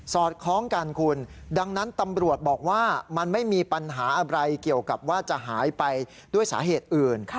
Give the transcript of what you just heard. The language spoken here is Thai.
อดคล้องกันคุณดังนั้นตำรวจบอกว่ามันไม่มีปัญหาอะไรเกี่ยวกับว่าจะหายไปด้วยสาเหตุอื่น